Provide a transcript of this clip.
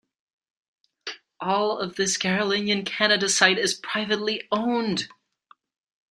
All of this Carolinian Canada site is privately owned.